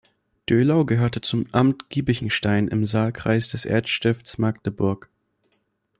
Dölau gehörte zum Amt Giebichenstein im Saalkreis des Erzstifts Magdeburg.